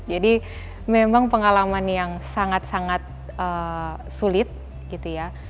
jadi memang pengalaman yang sangat sangat sulit gitu ya